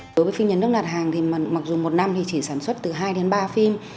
đối với phim nhà nước đặt hàng mặc dù một năm chỉ sản xuất từ hai đến ba phim